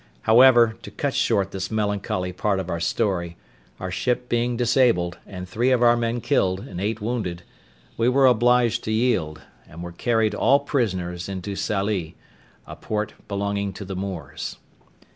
However, to cut short this melancholy part of our story, our ship being disabled, and three of our men killed, and eight wounded, we were obliged to yield, and were carried all prisoners into Sallee, a port belonging to the Moors.